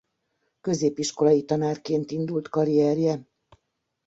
Középiskolai tanárként indult karrierje.